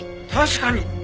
確かに！